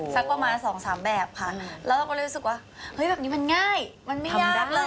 สักประมาณสองสามแบบค่ะแล้วเราก็เลยรู้สึกว่าเฮ้ยแบบนี้มันง่ายมันไม่ยากเลย